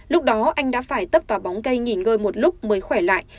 lúc đó anh đã phải tấp vào bóng cây nghỉ ngơi một lúc mới khỏe lại